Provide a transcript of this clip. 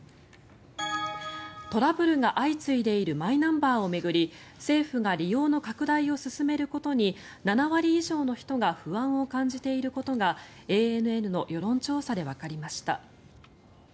トラブルが相次いでいるマイナンバーを巡り政府が利用の拡大を進めることに７割以上の人が不安を感じていることがＡＮＮの世論調査でわかりました。